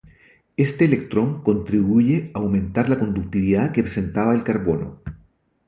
Este electrón contribuye a aumentar la conductividad que presentaba el carbono.